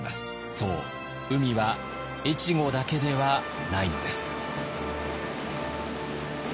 そう海は越後だけではないのです。